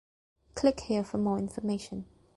Click here for more information.